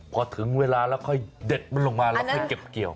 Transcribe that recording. พอถึงเวลาแล้วค่อยเด็ดมันลงมาแล้วค่อยเก็บเกี่ยว